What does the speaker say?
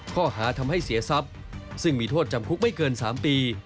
ข้อหาทำให้เสียทรัพย์ซึ่งมีโทษจำคุกไม่เกิน๓ปี